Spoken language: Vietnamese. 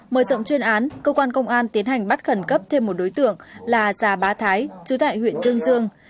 mở rộng chuyên án cơ quan công an tiến hành bắt khẩn cấp thêm một đối tượng là già bá thái chú tại huyện tương dương